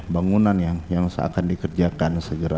dua belas bangunan yang akan dikerjakan segera